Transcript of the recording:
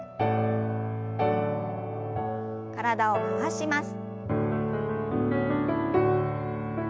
体を回します。